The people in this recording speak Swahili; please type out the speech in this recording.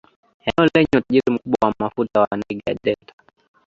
eneo lenye utajiri mkubwa wa mafuta wa niger delta